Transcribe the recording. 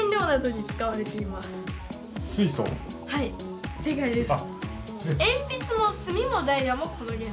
はい正解です。